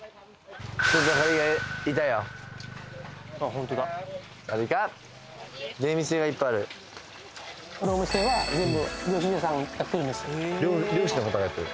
本当だサワディーカップ出店がいっぱいあるこのお店は全部漁師屋さんやってるんです漁師の方がやってる？